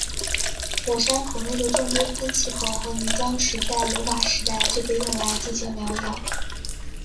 火山口内的众多喷气口和泥浆池在罗马时代就被用来进行疗养。